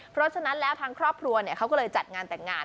เพราะฉะนั้นแล้วทางครอบครัวเขาก็เลยจัดงานแต่งงาน